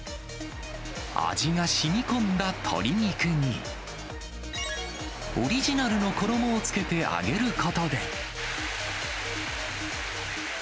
味がしみこんだ鶏肉に、オリジナルの衣をつけて揚げることで。